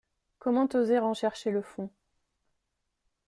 Comment oser en chercher le fond ?